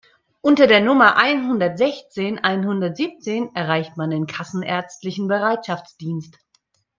Unter der Nummer einhundertsechzehn einhundertsiebzehn erreicht man den kassenärztlichen Bereitschaftsdienst.